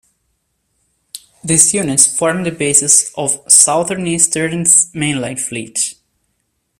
These units form the basis of Southeastern's mainline fleet.